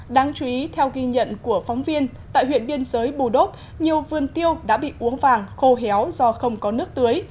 đáng chú ý theo ghi nhận của phóng viên tại huyện biên giới bù đốp nhiều vườn tiêu đã bị uống vàng khô héo do không có nước tưới